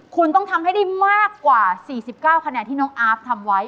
คุณต้องทำให้ได้มากกว่า๔๙คะแนนที่น้องอาฟทำไว้